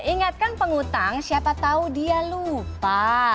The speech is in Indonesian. ingatkan pengutang siapa tahu dia lupa